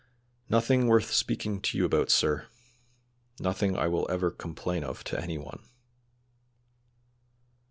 "Nothing worth speaking to you about, sir; nothing I will ever complain of to any one."